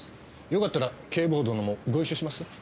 よかったら警部補殿もご一緒します？